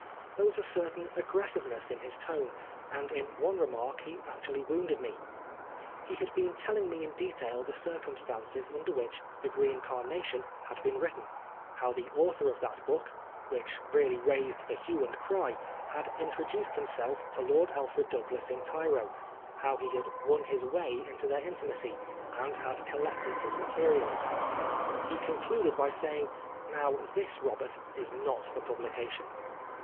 There was a certain aggressiveness in his tone, and in one remark he actually wounded me. He had been telling me in detail the circumstan ces under which The Green Carnation had been written ; how the author of that book, which really raised the hue and cry, had introduced himself to Lord Alfred Douglas in Cairo ; how he had won his way into their intimacy, and had collected his materials. He concluded by saying, " Now this, Robert, is not for publication."